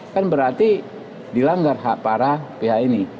kan berarti dilanggar hak para pihak ini